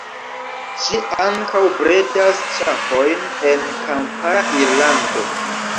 Ŝi ankaŭ bredas ŝafojn en kampara Irlando.